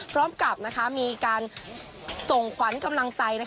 พร้อมกับมีการส่งขวัญกำลังใจ